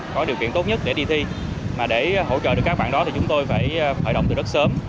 có điều kiện tốt nhất để đi thi mà để hỗ trợ được các bạn đó thì chúng tôi phải khởi động từ rất sớm